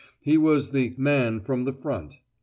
He was the "man from the front."